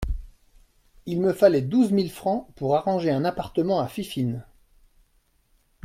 Il me fallait douze mille francs pour arranger un appartement à Fifine.